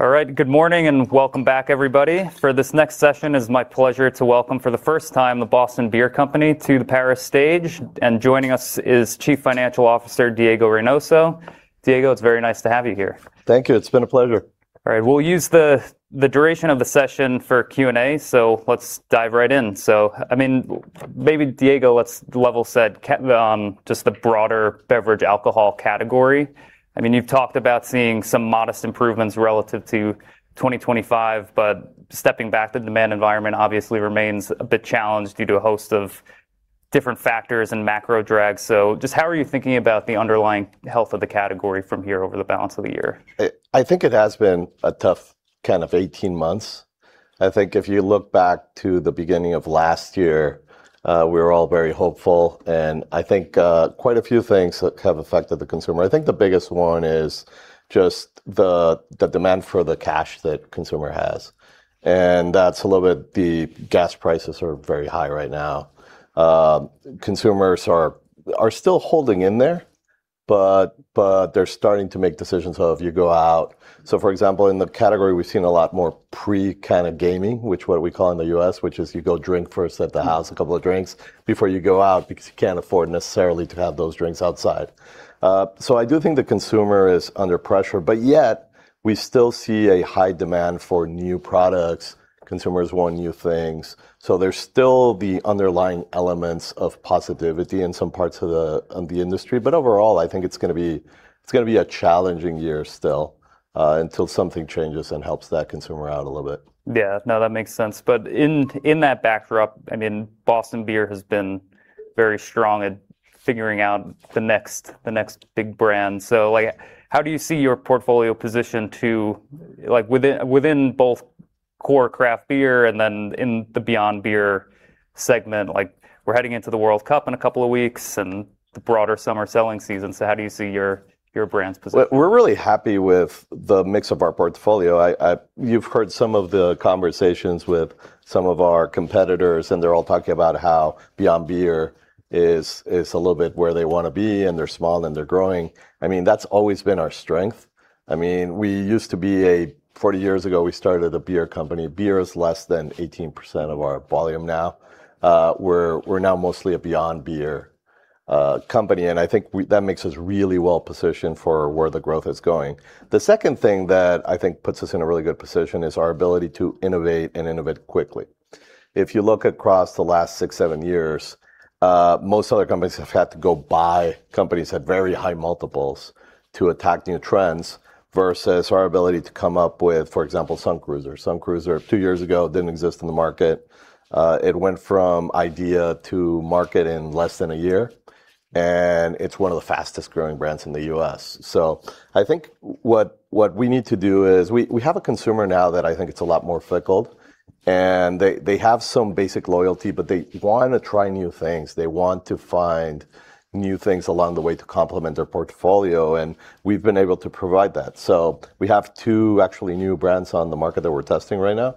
All right. Good morning, welcome back, everybody. For this next session, it is my pleasure to welcome for the first time, The Boston Beer Company to the Paris stage. Joining us is Chief Financial Officer, Diego Reynoso. Diego, it's very nice to have you here. Thank you. It's been a pleasure. All right. We'll use the duration of the session for Q&A, so let's dive right in. Maybe Diego, let's level set on just the broader beverage alcohol category. You've talked about seeing some modest improvements relative to 2025, but stepping back, the demand environment obviously remains a bit challenged due to a host of different factors and macro drags. Just how are you thinking about the underlying health of the category from here over the balance of the year? I think it has been a tough 18 months. I think if you look back to the beginning of last year, we were all very hopeful, and I think quite a few things have affected the consumer. I think the biggest one is just the demand for the cash that consumer has. The gas prices are very high right now. Consumers are still holding in there, but they're starting to make decisions of you go out. For example, in the category, we've seen a lot more pre-gaming, which what we call in the U.S., which is you go drink first at the house, a couple of drinks before you go out because you can't afford necessarily to have those drinks outside. I do think the consumer is under pressure, but yet we still see a high demand for new products. Consumers want new things. There's still the underlying elements of positivity in some parts of the industry. Overall, I think it's going to be a challenging year still until something changes and helps that consumer out a little bit. Yeah. No, that makes sense. In that backdrop, Boston Beer has been very strong at figuring out the next big brand. How do you see your portfolio positioned to, within both core craft beer and then in the beyond beer segment? We're heading into the World Cup in a couple of weeks and the broader summer selling season. How do you see your brand's position? We're really happy with the mix of our portfolio. You've heard some of the conversations with some of our competitors, and they're all talking about how beyond beer is a little bit where they want to be, and they're small, and they're growing. That's always been our strength. 40 years ago, we started a beer company. Beer is less than 18% of our volume now. We're now mostly a beyond beer company, and I think that makes us really well-positioned for where the growth is going. The second thing that I think puts us in a really good position is our ability to innovate and innovate quickly. If you look across the last six, seven years, most other companies have had to go buy companies at very high multiples to attack new trends versus our ability to come up with, for example, Sun Cruiser. Sun Cruiser, two years ago, didn't exist in the market. It went from idea to market in less than a year, it's one of the fastest-growing brands in the U.S. I think what we need to do is, we have a consumer now that I think it's a lot more fickle, and they have some basic loyalty, but they want to try new things. They want to find new things along the way to complement their portfolio, we've been able to provide that. We have two actually new brands on the market that we're testing right now.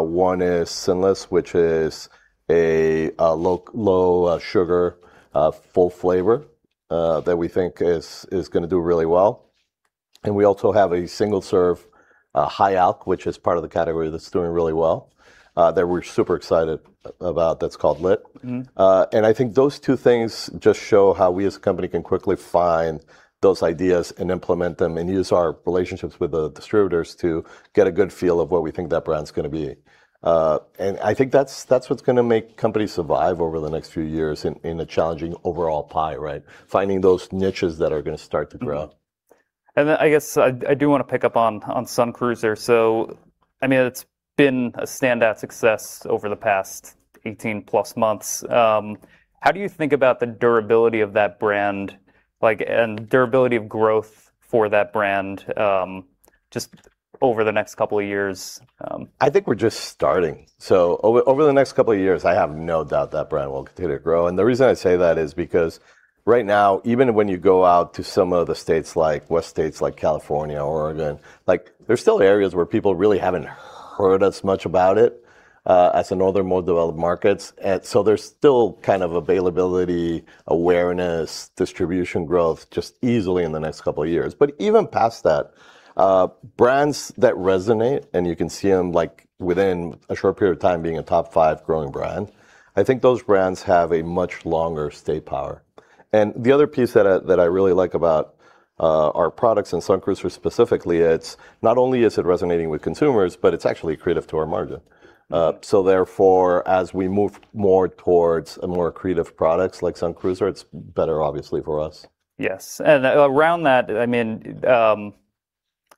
One is Sinless, which is a low sugar, full flavor, that we think is going to do really well. We also have a single-serve high alc, which is part of the category that's doing really well, that we're super excited about. That's called LYTT. I think those two things just show how we as a company can quickly find those ideas and implement them and use our relationships with the distributors to get a good feel of what we think that brand's going to be. I think that's what's going to make companies survive over the next few years in a challenging overall pie, right, finding those niches that are going to start to grow. Mm-hmm. I guess I do want to pick up on Sun Cruiser. It's been a standout success over the past 18 plus months. How do you think about the durability of that brand and durability of growth for that brand, just over the next couple of years? I think we're just starting. Over the next couple of years, I have no doubt that brand will continue to grow. The reason I say that is because right now, even when you go out to some of the states like West States, like California, Oregon, there's still areas where people really haven't heard as much about it as in other more developed markets. There's still kind of availability, awareness, distribution growth, just easily in the next couple of years. Even past that, brands that resonate, and you can see them within a short period of time being a top five growing brand. I think those brands have a much longer stay power. The other piece that I really like about our products and Sun Cruiser specifically, it's not only is it resonating with consumers, but it's actually accretive to our margin. Therefore, as we move more towards a more accretive products like Sun Cruiser, it's better obviously for us. Yes. Around that,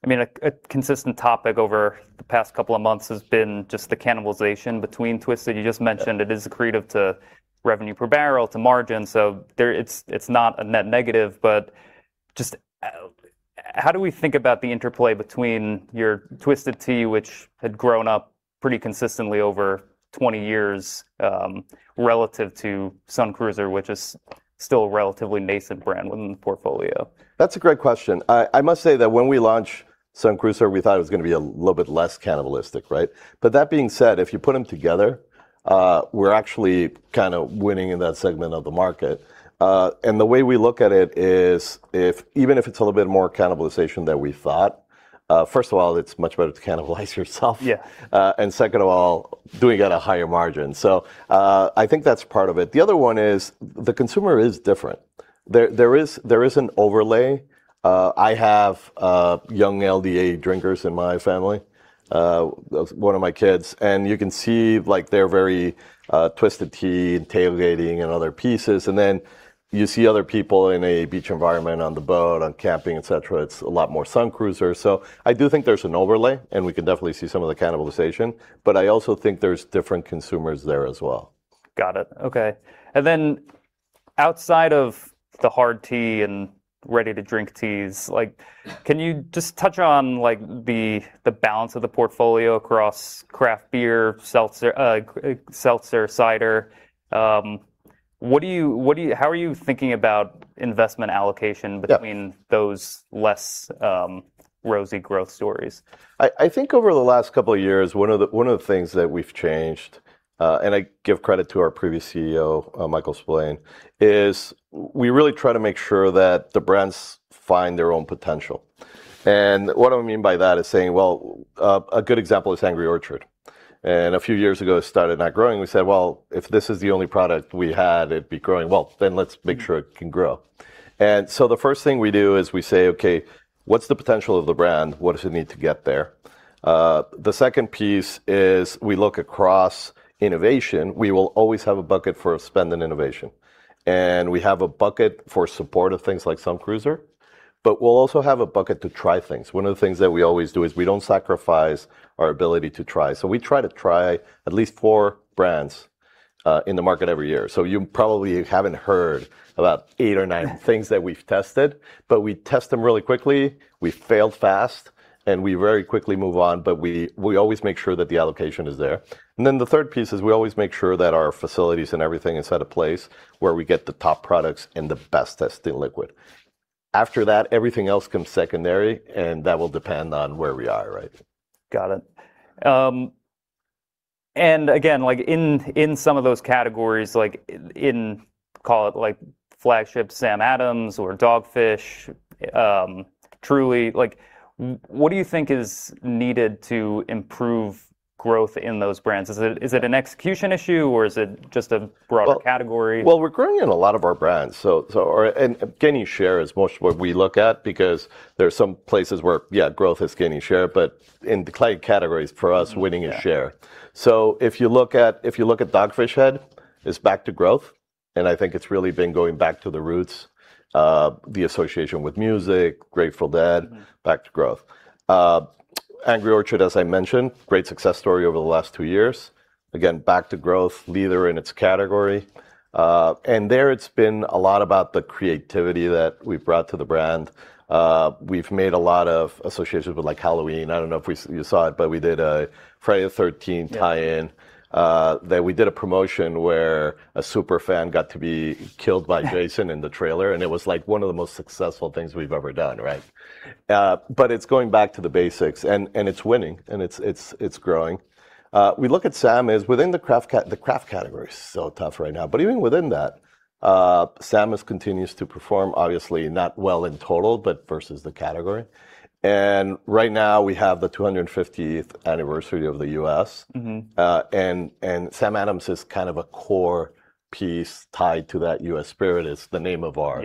a consistent topic over the past couple of months has been just the cannibalization between Twisted Tea. You just mentioned it is accretive to revenue per barrel, to margin. There it's not a net negative, but just how do we think about the interplay between your Twisted Tea, which had grown up pretty consistently over 20 years, relative to Sun Cruiser, which is still a relatively nascent brand within the portfolio. That's a great question. I must say that when we launched Sun Cruiser, we thought it was going to be a little bit less cannibalistic, right? That being said, if you put them together, we're actually kind of winning in that segment of the market. The way we look at it is, even if it's a little bit more cannibalization than we thought, first of all, it's much better to cannibalize yourself. Yeah. Second of all, doing it at a higher margin. I think that's part of it. The other one is the consumer is different. There is an overlay. I have young LDA drinkers in my family, one of my kids, and you can see they're very Twisted Tea and tailgating and other pieces. You see other people in a beach environment, on the boat, on camping, et cetera, it's a lot more Sun Cruiser. I do think there's an overlay, and we can definitely see some of the cannibalization, but I also think there's different consumers there as well. Got it. Okay. Then outside of the hard tea and ready-to-drink teas, can you just touch on the balance of the portfolio across craft beer, seltzer, cider? How are you thinking about investment allocation? Yeah between those less rosy growth stories? I think over the last couple of years, one of the things that we've changed, and I give credit to our previous CEO, Michael Spillane, is we really try to make sure that the brands find their own potential. What I mean by that is saying, well, a good example is Angry Orchard. A few years ago, it started not growing. We said, "Well, if this is the only product we had, it'd be growing. Well then, let's make sure it can grow." The first thing we do is we say, "Okay, what's the potential of the brand? What does it need to get there?" The second piece is we look across innovation. We will always have a bucket for spend and innovation, and we have a bucket for support of things like Sun Cruiser, but we'll also have a bucket to try things. One of the things that we always do is we don't sacrifice our ability to try. We try to try at least four brands in the market every year. You probably haven't heard about eight or nine things that we've tested. We test them really quickly. We fail fast. We very quickly move on. We always make sure that the allocation is there. The third piece is we always make sure that our facilities and everything is at a place where we get the top products and the best-testing liquid. After that, everything else comes secondary. That will depend on where we are, right? Got it. Again, in some of those categories, call it like flagship Sam Adams or Dogfish, Truly, what do you think is needed to improve growth in those brands? Is it an execution issue, or is it just a broader category? Well, we're growing in a lot of our brands, and gaining share is most of what we look at because there's some places where, yeah, growth is gaining share, but in declining categories, for us, winning is share. Yeah. If you look at Dogfish Head, it's back to growth, and I think it's really been going back to the roots, the association with music, Grateful Dead, back to growth. Angry Orchard, as I mentioned, great success story over the last two years. Again, back to growth, leader in its category. There it's been a lot about the creativity that we've brought to the brand. We've made a lot of associations with Halloween. I don't know if you saw it, but we did a Friday the 13th tie-in. Yeah. We did a promotion where a super fan got to be killed by Jason in the trailer, and it was one of the most successful things we've ever done, right? It's going back to the basics and it's winning and it's growing. We look at Sam as within the craft category. The craft category is so tough right now. Even within that, Sam has continued to perform obviously not well in total, but versus the category. Right now, we have the 250th anniversary of the U.S. Sam Adams is kind of a core piece tied to that U.S. spirit. Yes The name of our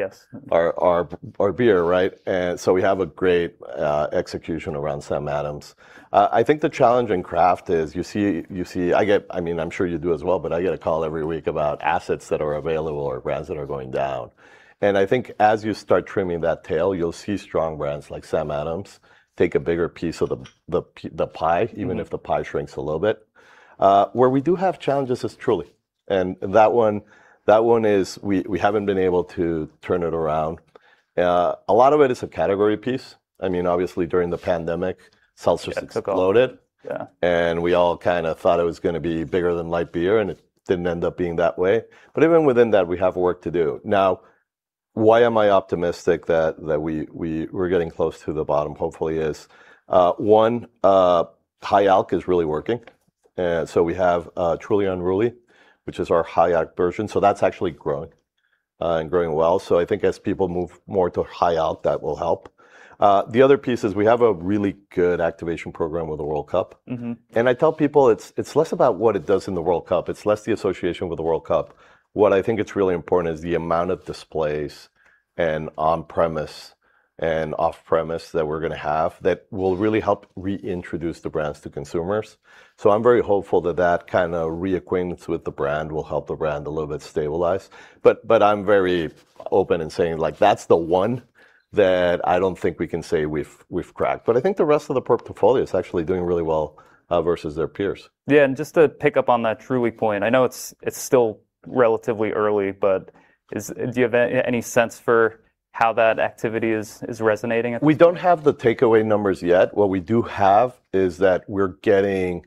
beer, right? We have a great execution around Sam Adams. I think the challenge in craft is, I'm sure you do as well, but I get a call every week about assets that are available or brands that are going down. I think as you start trimming that tail, you'll see strong brands like Sam Adams take a bigger piece of the pie, even if the pie shrinks a little bit. Where we do have challenges is Truly, and that one is we haven't been able to turn it around. A lot of it is a category piece. Obviously, during the pandemic, seltzers exploded. Yeah. We all kind of thought it was going to be bigger than light beer, and it didn't end up being that way. Even within that, we have work to do. Now, why am I optimistic that we're getting close to the bottom, hopefully, is, one, high alc is really working. We have Truly Unruly, which is our high alc version, so that's actually growing, and growing well. I think as people move more to high alc, that will help. The other piece is we have a really good activation program with the World Cup. I tell people it's less about what it does in the World Cup. It's less the association with the World Cup. What I think it's really important is the amount of displays and on-premise and off-premise that we're going to have that will really help reintroduce the brands to consumers. I'm very hopeful that that kind of reacquaintance with the brand will help the brand a little bit stabilize. I'm very open in saying that's the one that I don't think we can say we've cracked. I think the rest of the portfolio is actually doing really well, versus their peers. Yeah, just to pick up on that Truly point, I know it's still relatively early, but do you have any sense for how that activity is resonating? We don't have the takeaway numbers yet. What we do have is that we're getting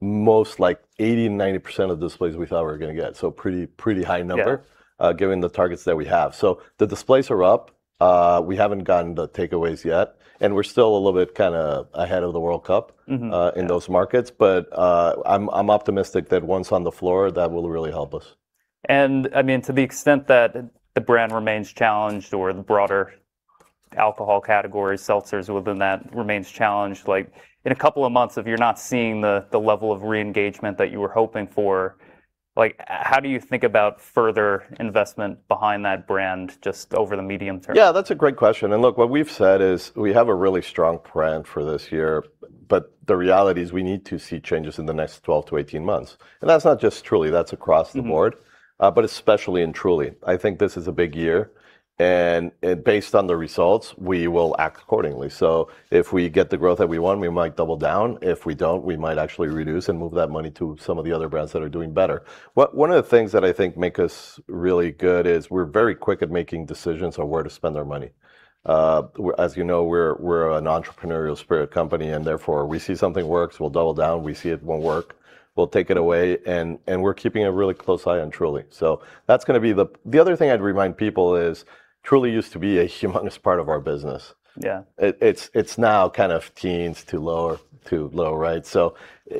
most, like 80%, 90% of the displays we thought we were going to get. pretty high number. Yeah given the targets that we have. The displays are up. We haven't gotten the takeaways yet, and we're still a little bit kind of ahead of the World Cup... ...in those markets. I'm optimistic that once on the floor, that will really help us. To the extent that the brand remains challenged or the broader alcohol category, seltzers within that remains challenged, like in a couple of months if you're not seeing the level of re-engagement that you were hoping for, how do you think about further investment behind that brand just over the medium term? Yeah, that's a great question. Look, what we've said is we have a really strong plan for this year, the reality is we need to see changes in the next 12-18 months. That's not just Truly, that's across the board. Especially in Truly. I think this is a big year, and based on the results, we will act accordingly. If we get the growth that we want, we might double down. If we don't, we might actually reduce and move that money to some of the other brands that are doing better. One of the things that I think make us really good is we're very quick at making decisions on where to spend our money. As you know, we're an entrepreneurial spirit company, and therefore we see something works, we'll double down. We see it won't work, we'll take it away. We're keeping a really close eye on Truly, so that's going to be the other thing I'd remind people is Truly used to be a humongous part of our business. Yeah. It's now kind of teens to low.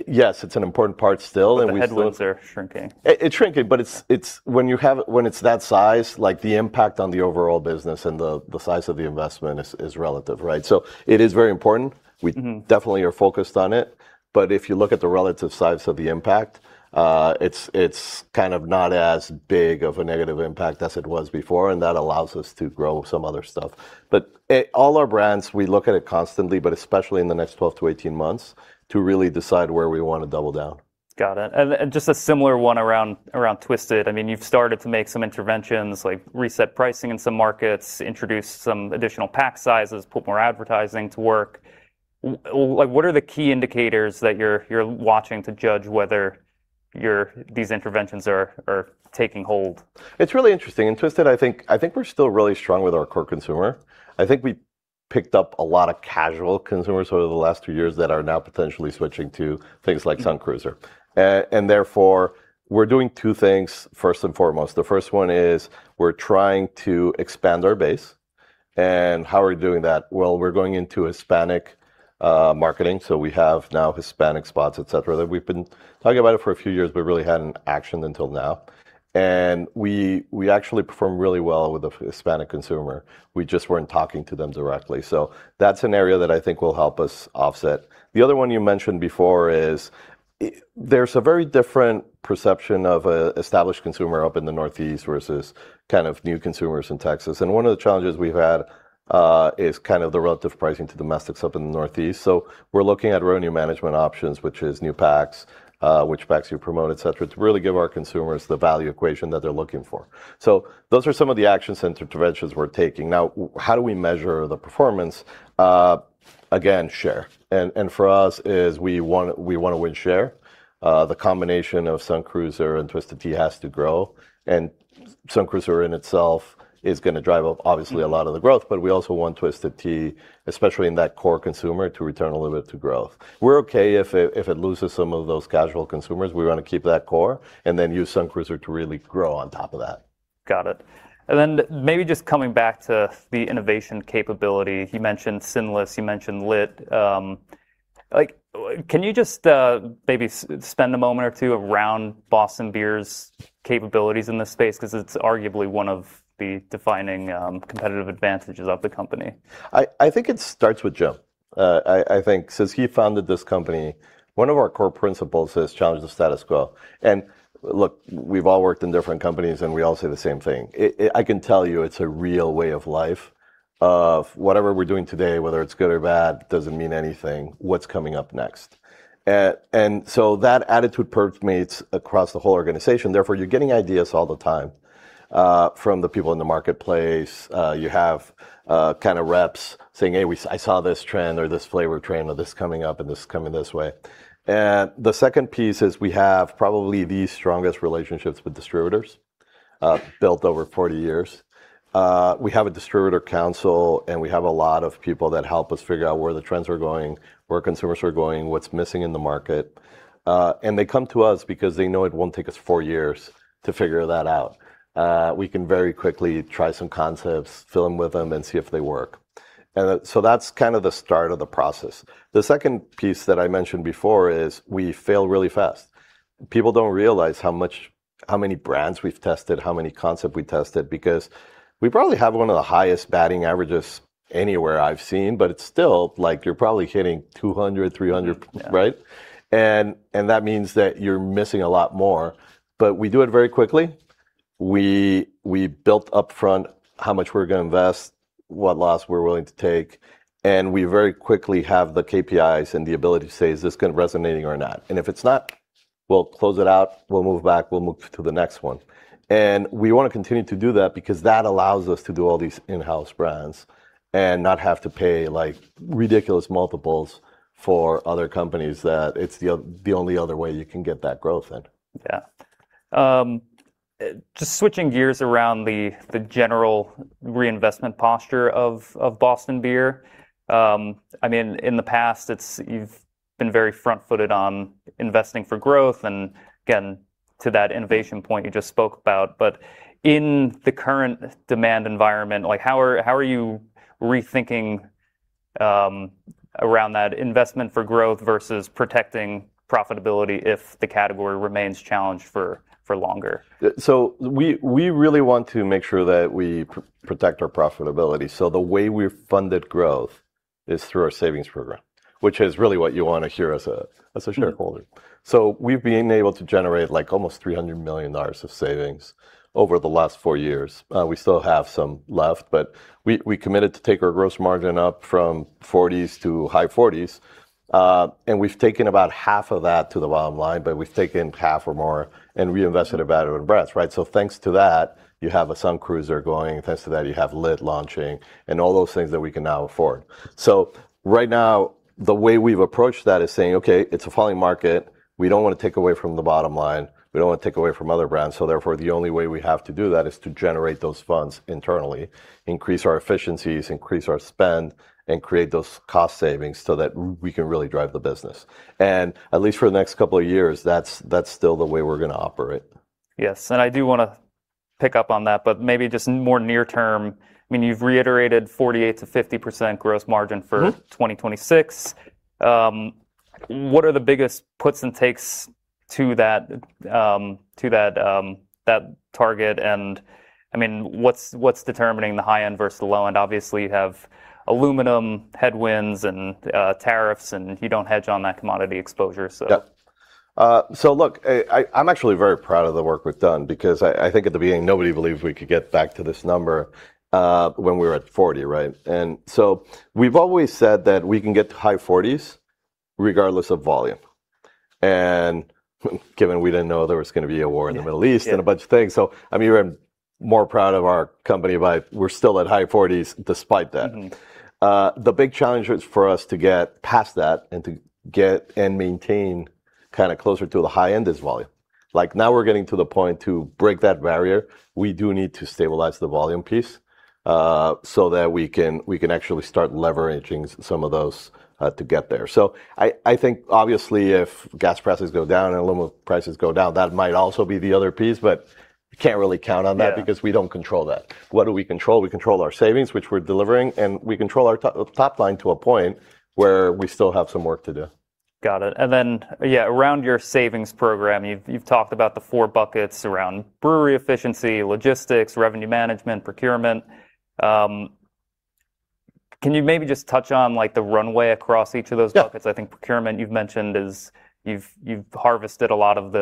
Yes, it's an important part still. The headwinds are shrinking. It's shrinking, but it's when it's that size, the impact on the overall business and the size of the investment is relative, right. It is very important. We definitely are focused on it, but if you look at the relative size of the impact, it's kind of not as big of a negative impact as it was before, and that allows us to grow some other stuff. All our brands, we look at it constantly, but especially in the next 12 to 18 months to really decide where we want to double down. Got it. Just a similar one around Twisted. You've started to make some interventions, like reset pricing in some markets, introduce some additional pack sizes, put more advertising to work. What are the key indicators that you're watching to judge whether these interventions are taking hold? It's really interesting. In Twisted, I think we're still really strong with our core consumer. I think we picked up a lot of casual consumers over the last two years that are now potentially switching to things like Sun Cruiser. Therefore, we're doing two things, first and foremost. The first one is we're trying to expand our base. How are we doing that? Well, we're going into Hispanic marketing, so we have now Hispanic spots, et cetera. We've been talking about it for a few years, but really hadn't actioned until now. We actually perform really well with the Hispanic consumer. We just weren't talking to them directly. That's an area that I think will help us offset. The other one you mentioned before is there's a very different perception of an established consumer up in the Northeast versus kind of new consumers in Texas. One of the challenges we've had is kind of the relative pricing to domestics up in the Northeast. We're looking at revenue management options, which is new packs, which packs you promote, et cetera, to really give our consumers the value equation that they're looking for. Those are some of the actions and interventions we're taking. How do we measure the performance? Again, share. For us, is we want to win share. The combination of Sun Cruiser and Twisted Tea has to grow, and Sun Cruiser in itself is going to drive obviously a lot of the growth, but we also want Twisted Tea, especially in that core consumer, to return a little bit to growth. We're okay if it loses some of those casual consumers. We want to keep that core and then use Sun Cruiser to really grow on top of that. Got it. Maybe just coming back to the innovation capability. You mentioned Sinless, you mentioned LYTT. Can you just maybe spend a moment or two around Boston Beer's capabilities in this space? Because it's arguably one of the defining competitive advantages of the company. I think it starts with Jim. I think since he founded this company, one of our core principles is challenge the status quo. Look, we've all worked in different companies, and we all say the same thing. I can tell you it's a real way of life. Of whatever we're doing today, whether it's good or bad, doesn't mean anything, what's coming up next. So that attitude permeates across the whole organization. Therefore, you're getting ideas all the time, from the people in the marketplace. You have kind of reps saying, "Hey, I saw this trend or this flavor trend, or this coming up and this coming this way." The second piece is we have probably the strongest relationships with distributors, built over 40 years. We have a distributor council. We have a lot of people that help us figure out where the trends are going, where consumers are going, what's missing in the market. They come to us because they know it won't take us four years to figure that out. We can very quickly try some concepts, fill in with them and see if they work. That's kind of the start of the process. The second piece that I mentioned before is we fail really fast. People don't realize how many brands we've tested, how many concepts we tested, because we probably have one of the highest batting averages anywhere I've seen, but it's still like you're probably hitting 200, 300. Yeah. Right? That means that you're missing a lot more. We do it very quickly. We built up front how much we're going to invest, what loss we're willing to take, and we very quickly have the KPIs and the ability to say, "Is this kind of resonating or not?" If it's not, we'll close it out, we'll move back, we'll move to the next one. We want to continue to do that because that allows us to do all these in-house brands and not have to pay ridiculous multiples for other companies, that it's the only other way you can get that growth in. Yeah. Just switching gears around the general reinvestment posture of Boston Beer. In the past, you've been very front-footed on investing for growth, and again, to that innovation point you just spoke about, but in the current demand environment, how are you rethinking around that investment for growth versus protecting profitability if the category remains challenged for longer? We really want to make sure that we protect our profitability. The way we've funded growth is through our savings program, which is really what you want to hear as a shareholder. Sure. We've been able to generate almost $300 million of savings over the last four years. We still have some left, but we committed to take our gross margin up from 40s to high 40s. We've taken about half of that to the bottom line, but we've taken half or more and reinvested it back into breadth. Thanks to that, you have a Sun Cruiser going, thanks to that you have LYTT launching, and all those things that we can now afford. Right now, the way we've approached that is saying, "Okay, it's a falling market. We don't want to take away from the bottom line. We don't want to take away from other brands. Therefore, the only way we have to do that is to generate those funds internally, increase our efficiencies, increase our spend, and create those cost savings so that we can really drive the business. At least for the next couple of years, that's still the way we're going to operate. Yes. I do want to pick up on that, but maybe just more near term, you've reiterated 48%-50% gross margin for- 2026. What are the biggest puts and takes to that target, and what's determining the high end versus the low end? Obviously, you have aluminum headwinds and tariffs, and you don't hedge on that commodity exposure. Yep. Look, I'm actually very proud of the work we've done because I think at the beginning, nobody believed we could get back to this number when we were at 40. We've always said that we can get to high 40s regardless of volume. Given we didn't know there was going to be a war in the Middle East. Yeah A bunch of things. I'm even more proud of our company, we're still at high 40s despite that. The big challenge for us to get past that and to get and maintain kind of closer to the high end is volume. We're getting to the point to break that barrier, we do need to stabilize the volume piece, so that we can actually start leveraging some of those to get there. I think obviously if gas prices go down and aluminum prices go down, that might also be the other piece, but you can't really count on that. Yeah because we don't control that. What do we control? We control our savings, which we're delivering, and we control our top line to a point where we still have some work to do. Got it. Yeah, around your savings program, you've talked about the four buckets around brewery efficiency, logistics, revenue management, procurement. Can you maybe just touch on the runway across each of those buckets? Yeah. I think procurement you've mentioned is you've harvested a lot of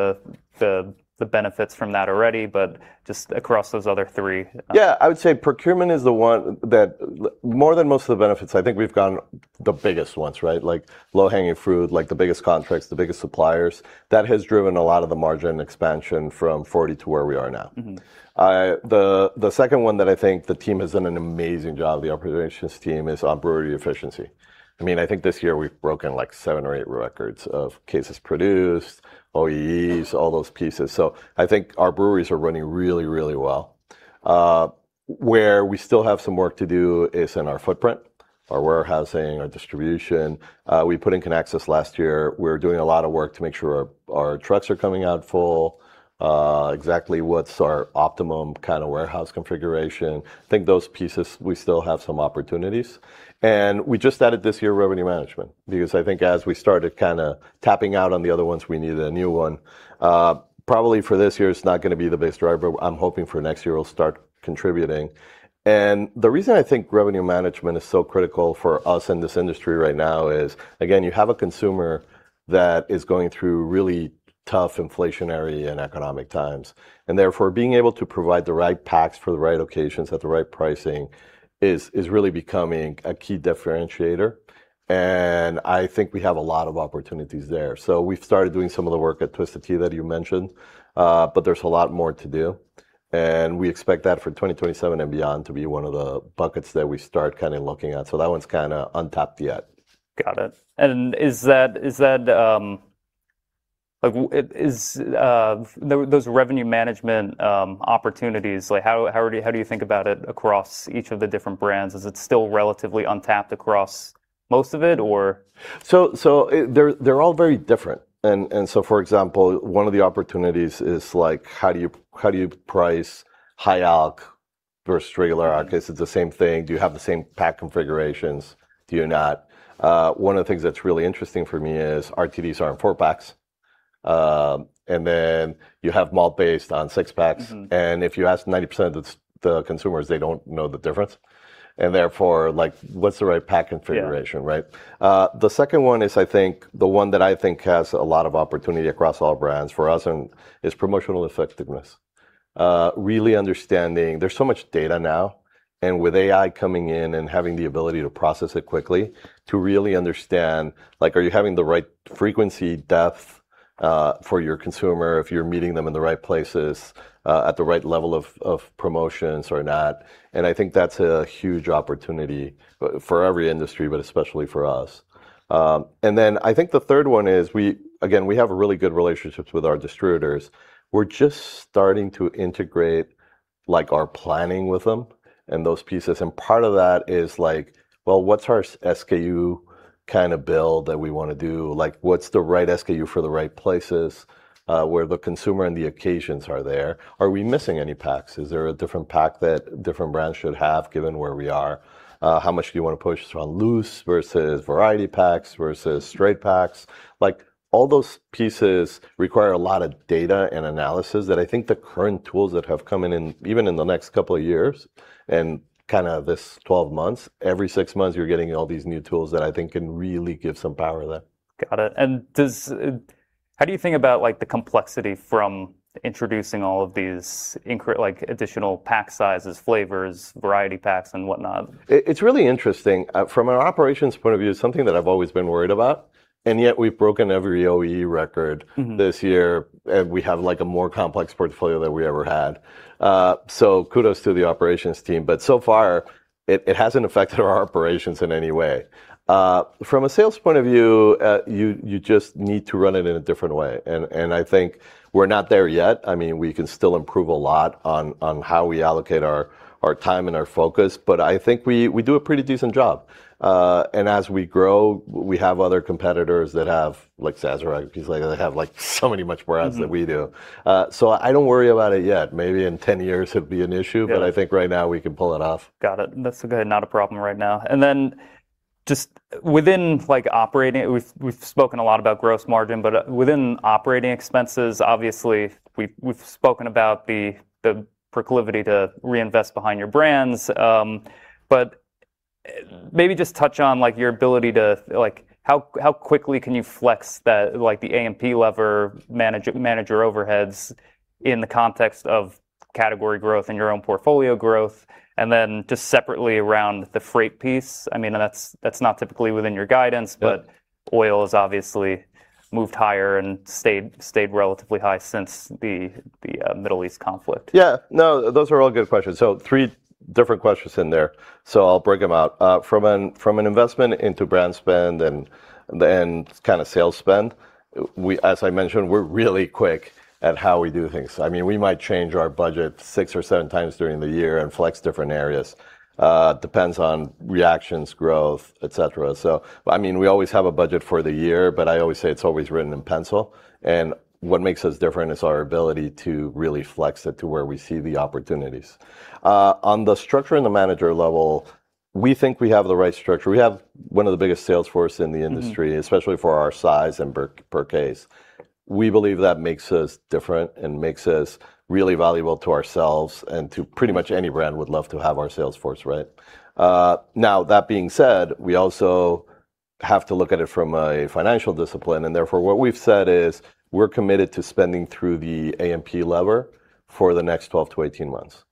the benefits from that already, but just across those other three. Yeah. I would say procurement is the one that more than most of the benefits, I think we've gotten the biggest ones. Like low-hanging fruit, the biggest contracts, the biggest suppliers. That has driven a lot of the margin expansion from 40% to where we are now. The second one that I think the team has done an amazing job, the operations team, is on brewery efficiency. I think this year we've broken seven or eight records of cases produced, OEEs, all those pieces. I think our breweries are running really, really well. Where we still have some work to do is in our footprint, our warehousing, our distribution. We put in Kinaxis last year. We're doing a lot of work to make sure our trucks are coming out full, exactly what's our optimum kind of warehouse configuration. I think those pieces, we still have some opportunities. We just added this year revenue management, because I think as we started kind of tapping out on the other ones, we needed a new one. Probably for this year, it's not going to be the biggest driver. I'm hoping for next year it'll start contributing. The reason I think revenue management is so critical for us in this industry right now is, again, you have a consumer that is going through really tough inflationary and economic times, and therefore, being able to provide the right packs for the right occasions at the right pricing is really becoming a key differentiator. I think we have a lot of opportunities there. We've started doing some of the work at Twisted Tea that you mentioned. There's a lot more to do, and we expect that for 2027 and beyond to be one of the buckets that we start kind of looking at. That one's kind of untapped yet. Got it. Those revenue management opportunities, how do you think about it across each of the different brands? Is it still relatively untapped across most of it, or? They're all very different. For example, one of the opportunities is how do you price high alc versus regular alc? Is it the same thing? Do you have the same pack configurations? Do you not? One of the things that's really interesting for me is RTDs are in four-packs. Then you have malt-based on six-packs. If you ask 90% of the consumers, they don't know the difference, and therefore, like what's the right pack configuration, right? Yeah. The second one is, I think, the one that I think has a lot of opportunity across all brands for us, and is promotional effectiveness. Really understanding there's so much data now, and with AI coming in and having the ability to process it quickly, to really understand, like are you having the right frequency depth for your consumer, if you're meeting them in the right places, at the right level of promotions or not. I think that's a huge opportunity for every industry, but especially for us. I think the third one is, again, we have really good relationships with our distributors. We're just starting to integrate like our planning with them and those pieces, and part of that is like, well, what's our SKU kind of build that we want to do? Like, what's the right SKU for the right places, where the consumer and the occasions are there? Are we missing any packs? Is there a different pack that different brands should have given where we are? How much do you want to push around loose versus variety packs versus straight packs? Like, all those pieces require a lot of data and analysis that I think the current tools that have come in, even in the next couple of years, and kind of this 12 months, every six months, you're getting all these new tools that I think can really give some power there. Got it. How do you think about the complexity from introducing all of these like additional pack sizes, flavors, variety packs and whatnot? It's really interesting. From an operations point of view, it's something that I've always been worried about, and yet we've broken every OEE record this year. We have like a more complex portfolio than we ever had. Kudos to the operations team, but so far, it hasn't affected our operations in any way. From a sales point of view, you just need to run it in a different way, and I think we're not there yet. I mean, we can still improve a lot on how we allocate our time and our focus, but I think we do a pretty decent job. As we grow, we have other competitors that have, like Sazerac and things like that, have like so many much more ads than we do. I don't worry about it yet. Maybe in 10 years it'll be an issue. Yeah I think right now we can pull it off. Got it. That's good, not a problem right now. Just within operating, we've spoken a lot about gross margin, but within operating expenses, obviously, we've spoken about the proclivity to reinvest behind your brands, but maybe just touch on like your ability to how quickly can you flex the A&P lever, manage your overheads in the context of category growth and your own portfolio growth, and then just separately around the freight piece. I mean, that's not typically within your guidance- Yeah Oil has obviously moved higher and stayed relatively high since the Middle East conflict. Yeah. No, those are all good questions. Three different questions in there, so I'll break them out. From an investment into brand spend and then kind of sales spend, as I mentioned, we're really quick at how we do things. I mean, we might change our budget six or seven times during the year and flex different areas. Depends on reactions, growth, et cetera. I mean, we always have a budget for the year, but I always say it's always written in pencil, and what makes us different is our ability to really flex it to where we see the opportunities. On the structure and the manager level, we think we have the right structure. We have one of the biggest salesforce in the industry especially for our size and per case. We believe that makes us different and makes us really valuable to ourselves, and to pretty much any brand would love to have our salesforce, right? That being said, we also have to look at it from a financial discipline, and therefore what we've said is we're committed to spending through the A&P lever for the next 12 to 18 months.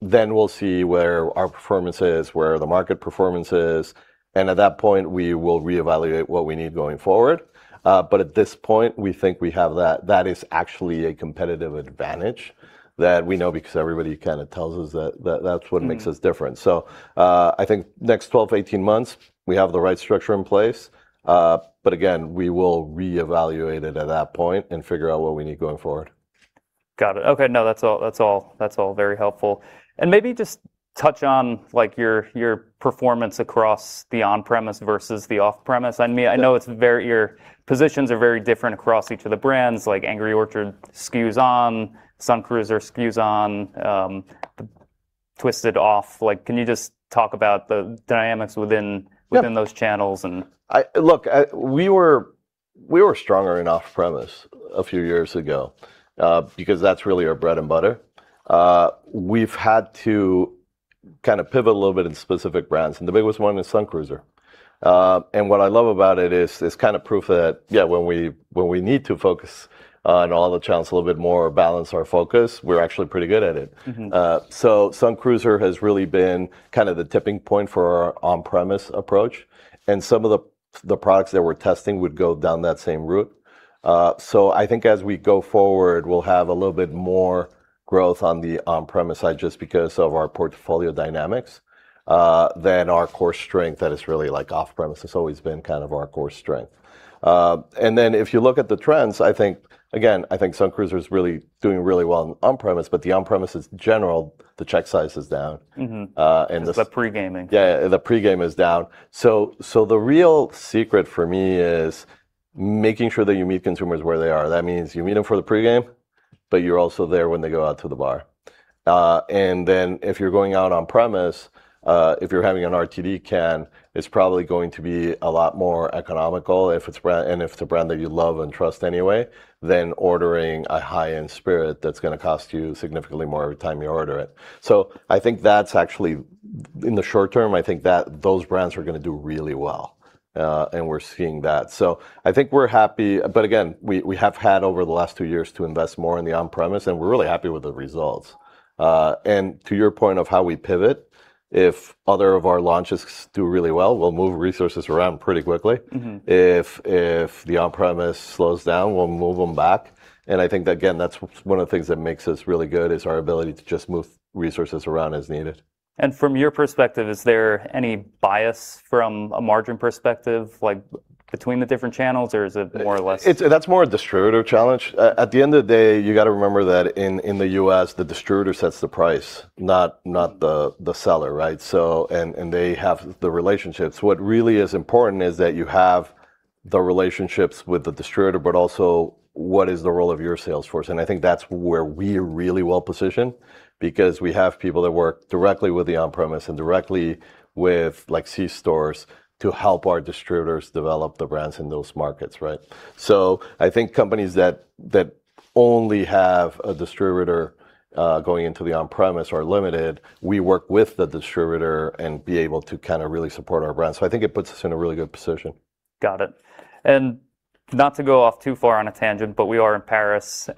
We'll see where our performance is, where the market performance is, and at that point, we will reevaluate what we need going forward. At this point, we think we have that. That is actually a competitive advantage that we know because everybody kind of tells us that that's what makes us different. I think the next 12 to 18 months, we have the right structure in place. Again, we will reevaluate it at that point and figure out what we need going forward. Got it. Okay, no, that's all very helpful. Maybe just touch on like your performance across the on-premise versus the off-premise. I know your positions are very different across each of the brands, like Angry Orchard SKUs on, Sun Cruiser SKUs on, Twisted off. Like, can you just talk about the dynamics within? Yeah those channels and. Look, we were stronger in off-premise a few years ago, because that's really our bread and butter. We've had to kind of pivot a little bit in specific brands, and the biggest one is Sun Cruiser. What I love about it is this kind of proof that, yeah, when we need to focus on all the channels a little bit more, balance our focus, we're actually pretty good at it. Sun Cruiser has really been kind of the tipping point for our on-premise approach, and some of the products that we're testing would go down that same route. I think as we go forward, we'll have a little bit more growth on the on-premise side just because of our portfolio dynamics than our core strength that is really like off-premise. That's always been kind of our core strength. If you look at the trends, I think, again, I think Sun Cruiser is really doing really well on-premise, but the on-premise is general, the check size is down. And the- It's the pre-gaming. The pre-game is down. The real secret for me is making sure that you meet consumers where they are. That means you meet them for the pre-game. You're also there when they go out to the bar. If you're going out on-premise, if you're having an RTD can, it's probably going to be a lot more economical, and if it's a brand that you love and trust anyway, than ordering a high-end spirit that's going to cost you significantly more every time you order it. I think that's actually, in the short term, I think those brands are going to do really well. We're seeing that. I think we're happy, but again, we have had over the last two years to invest more in the on-premise, and we're really happy with the results. To your point of how we pivot, if other of our launches do really well, we'll move resources around pretty quickly. If the on-premise slows down, we'll move them back. I think that again, that's one of the things that makes us really good is our ability to just move resources around as needed. From your perspective, is there any bias from a margin perspective between the different channels? That's more a distributor challenge. At the end of the day, you got to remember that in the U.S., the distributor sets the price, not the seller, right? They have the relationships. What really is important is that you have the relationships with the distributor, but also, what is the role of your sales force? I think that's where we are really well-positioned because we have people that work directly with the on-premise and directly with C-stores to help our distributors develop the brands in those markets, right? I think companies that only have a distributor going into the on-premise are limited. We work with the distributor and be able to kind of really support our brand. I think it puts us in a really good position. Got it. Not to go off too far on a tangent, but we are in Paris.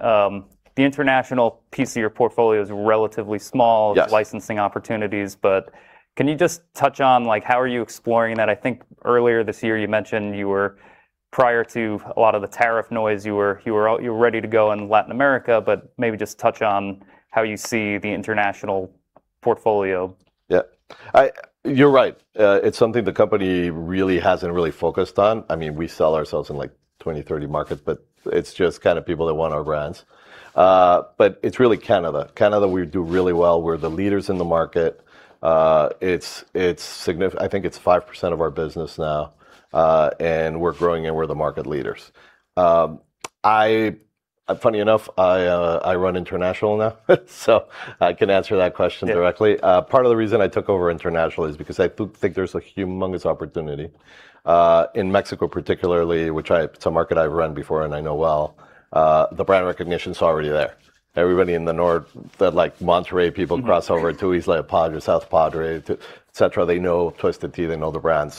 The international piece of your portfolio is relatively small. Yes licensing opportunities. Can you just touch on how are you exploring that? I think earlier this year you mentioned you were, prior to a lot of the tariff noise, you were ready to go in Latin America, but maybe just touch on how you see the international portfolio. Yeah. You're right. It's something the company really hasn't focused on. We sell ourselves in like 20, 30 markets, but it's just kind of people that want our brands. It's really Canada. Canada, we do really well. We're the leaders in the market. I think it's 5% of our business now. We're growing, and we're the market leaders. Funny enough, I run international now, so I can answer that question directly. Yeah. Part of the reason I took over international is because I think there's a humongous opportunity, in Mexico particularly, which is a market I've run before and I know well. The brand recognition's already there. Everybody in the north, like Monterrey people cross over. to El Paso or South Padre, et cetera. They know Twisted Tea. They know the brand.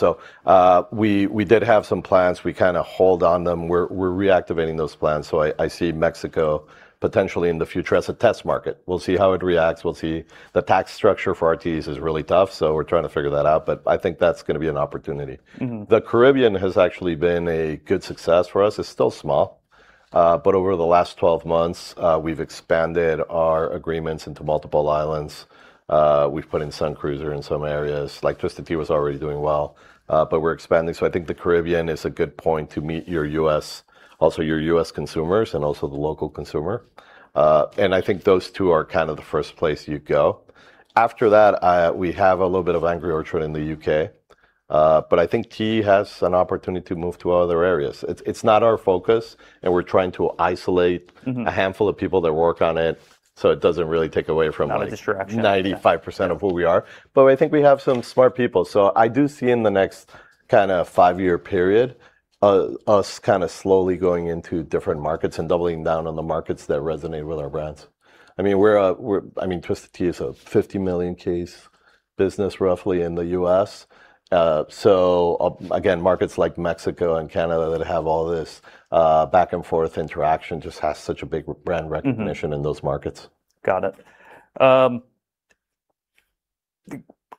We did have some plans. We kind of hold on them. We're reactivating those plans. I see Mexico potentially in the future as a test market. We'll see how it reacts. We'll see. The tax structure for RTDs is really tough, so we're trying to figure that out. I think that's going to be an opportunity. The Caribbean has actually been a good success for us. It's still small. Over the last 12 months, we've expanded our agreements into multiple islands. We've put in Sun Cruiser in some areas. Twisted Tea was already doing well, but we're expanding. I think the Caribbean is a good point to meet also your U.S. consumers and also the local consumer. I think those two are kind of the first place you'd go. After that, we have a little bit of Angry Orchard in the U.K. I think tea has an opportunity to move to other areas. It's not our focus and we're trying to isolate a handful of people that work on it, so it doesn't really take away from. Not a distraction. 95% of who we are. I think we have some smart people. I do see in the next kind of five-year period, us kind of slowly going into different markets and doubling down on the markets that resonate with our brands. Twisted Tea is a 50 million case business, roughly, in the U.S. Again, markets like Mexico and Canada that have all this back-and-forth interaction just has such a big brand recognition in those markets. Got it.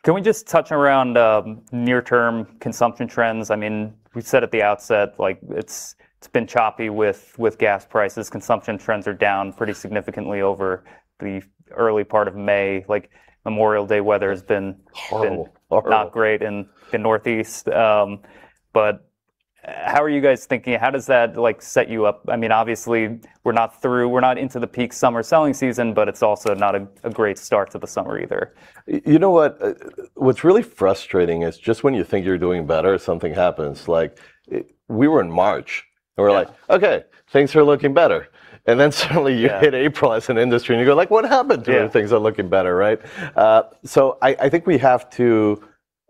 Can we just touch around near-term consumption trends? We said at the outset, it's been choppy with gas prices. Consumption trends are down pretty significantly over the early part of May. Horrible Not great in Northeast. How are you guys thinking? How does that set you up? Obviously, we're not into the peak summer selling season, but it's also not a great start to the summer either. You know what? What's really frustrating is just when you think you're doing better, something happens. We were in March, we were like, "Okay, things are looking better." Suddenly. Yeah hit April as an industry, and you go like, "What happened? Yeah to when things are looking better," right? I think we have to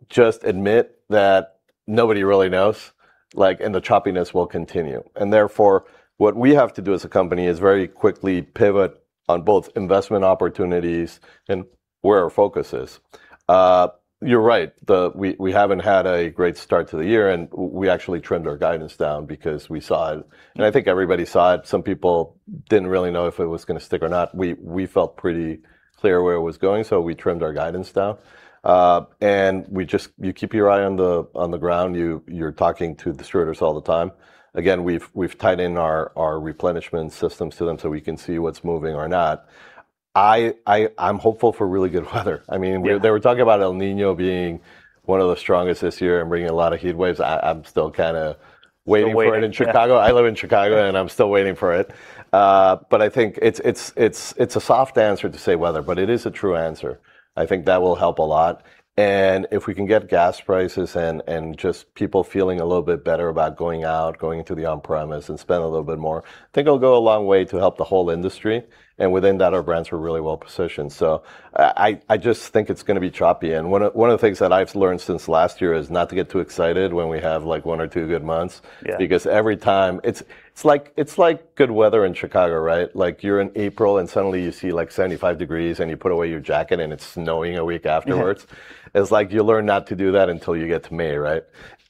just admit that nobody really knows, and the choppiness will continue. Therefore, what we have to do as a company is very quickly pivot on both investment opportunities and where our focus is. You're right. We haven't had a great start to the year, and we actually trimmed our guidance down because we saw it. I think everybody saw it. Some people didn't really know if it was going to stick or not. We felt pretty clear where it was going, so we trimmed our guidance down. You keep your eye on the ground. You're talking to distributors all the time. Again, we've tied in our replenishment systems to them so we can see what's moving or not. I'm hopeful for really good weather. Yeah. They were talking about El Niño being one of the strongest this year and bringing a lot of heat waves. I'm still kind of waiting for it in Chicago. Still waiting. Yeah. I live in Chicago. I'm still waiting for it. I think it's a soft answer to say weather, but it is a true answer. I think that will help a lot. If we can get gas prices and just people feeling a little bit better about going out, going to the on-premise and spend a little bit more, I think it'll go a long way to help the whole industry. Within that, our brands were really well positioned. I just think it's going to be choppy. One of the things that I've learned since last year is not to get too excited when we have one or two good months. Yeah. Every time it's like good weather in Chicago, right? You're in April, and suddenly you see 75 degrees, and you put away your jacket, and it's snowing a week afterwards. Yeah. It's like you learn not to do that until you get to May, right?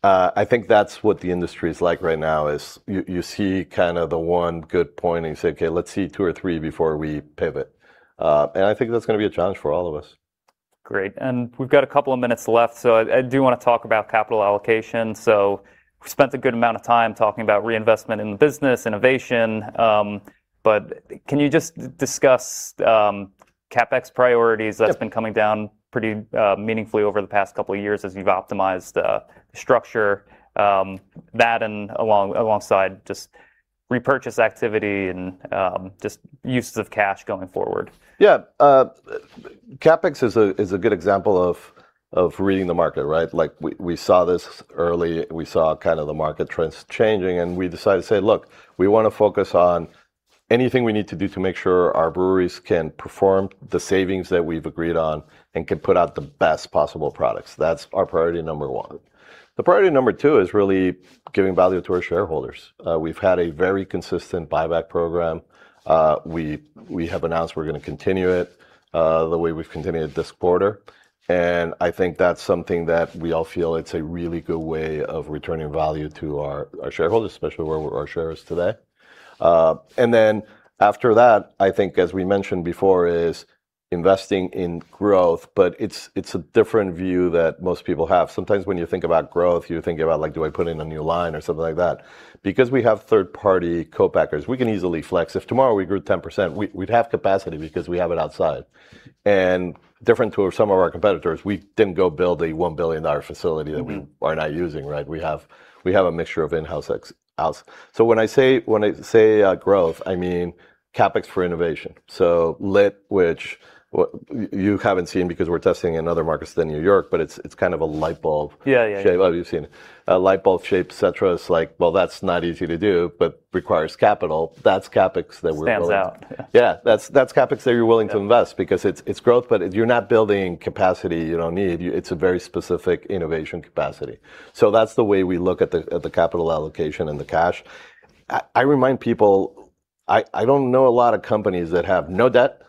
I think that's what the industry is like right now is you see kind of the one good point, and you say, "Okay, let's see two or three before we pivot." I think that's going to be a challenge for all of us. Great. We've got a couple of minutes left, I do want to talk about capital allocation. We've spent a good amount of time talking about reinvestment in the business, innovation. Can you just discuss CapEx priorities? Sure. That's been coming down pretty meaningfully over the past couple of years as you've optimized the structure. That alongside just repurchase activity and just uses of cash going forward. Yeah. CapEx is a good example of reading the market, right? We saw this early. We saw the market trends changing, and we decided to say, "Look, we want to focus on anything we need to do to make sure our breweries can perform the savings that we've agreed on and can put out the best possible products." That's our priority number one. The priority number two is really giving value to our shareholders. We've had a very consistent buyback program. We have announced we're going to continue it the way we've continued this quarter, and I think that's something that we all feel it's a really good way of returning value to our shareholders, especially where our share is today. After that, I think, as we mentioned before, is investing in growth, but it's a different view that most people have. Sometimes when you think about growth, you think about, do I put in a new line or something like that. We have third-party co-packers, we can easily flex. If tomorrow we grew 10%, we'd have capacity because we have it outside. Different to some of our competitors, we didn't go build a $1 billion facility that we are now using, right? We have a mixture of in-house, ex-house. When I say growth, I mean CapEx for innovation. LYTT, which you haven't seen because we're testing in other markets than New York, but it's kind of a light bulb. Yeah shape. Oh, you've seen it. A light bulb shape, et cetera's like, "Well, that's not easy to do, but requires capital." That's CapEx that we're building. Stands out. Yeah. Yeah. That's CapEx that you're willing to invest. Yep. It's growth, but you're not building capacity you don't need. It's a very specific innovation capacity. That's the way we look at the capital allocation and the cash. I remind people, I don't know a lot of companies that have no debt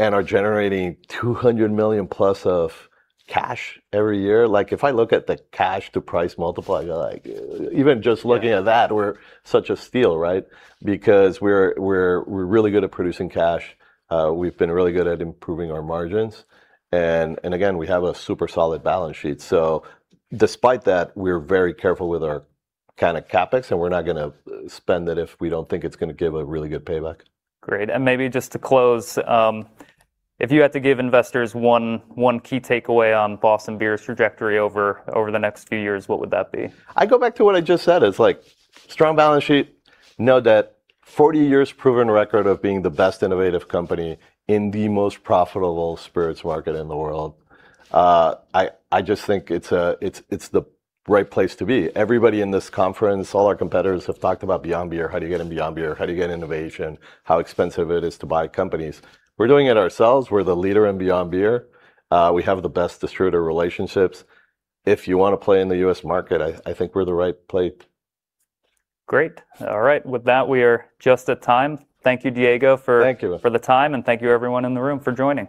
and are generating +$200 million of cash every year. If I look at the cash to price multiple, you're like Even just looking at that, we're such a steal, right? We're really good at producing cash. We've been really good at improving our margins. Again, we have a super solid balance sheet. Despite that, we're very careful with our CapEx, and we're not going to spend it if we don't think it's going to give a really good payback. Great. Maybe just to close, if you had to give investors one key takeaway on Boston Beer's trajectory over the next few years, what would that be? I go back to what I just said, is strong balance sheet, no debt, 40 years proven record of being the best innovative company in the most profitable spirits market in the world. I just think it's the right place to be. Everybody in this conference, all our competitors have talked about beyond beer, how do you get in beyond beer, how do you get innovation, how expensive it is to buy companies. We're doing it ourselves. We're the leader in beyond beer. We have the best distributor relationships. If you want to play in the U.S. market, I think we're the right place. Great. All right. With that, we are just at time. Thank you, Diego. Thank you. for the time, and thank you everyone in the room for joining.